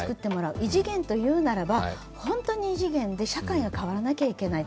異次元というならば本当に異次元で社会が変わらなきゃいけない。